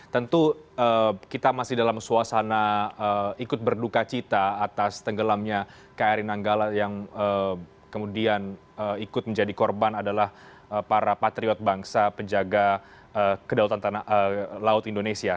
tentu kita masih dalam suasana ikut berduka cita atas tenggelamnya kri nanggala yang kemudian ikut menjadi korban adalah para patriot bangsa penjaga kedaulatan laut indonesia